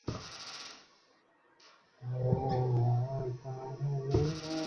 এরপর মুক্তার বাবা হাসপাতালে গিয়ে জানতে পারেন, তাঁর মেয়ে মারা গেছেন।